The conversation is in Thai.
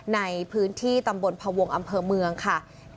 ในพื้นที่ตำบลพวงอำเภอเมืองค่ะ